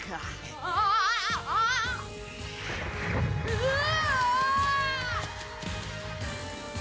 「うわ！」